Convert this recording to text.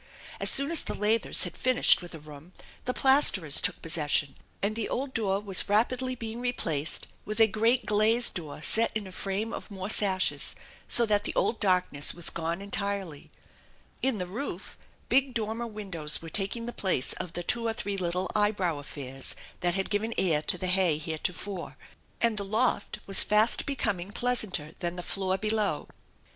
As soon as the lathers had finished with a room the plasterers took possession, and the old door was rapidly being replaced with a great glazed Hoor set in a frame of more sashes, so that the old darkness gone entirely THE ENCHANTED BARN 259 In the roof big dormer windows were taking the place of the two or three little eyebrow affairs that had given air to the hay heretofore, and the loft was i'ast becoming pleasanter than the floor below.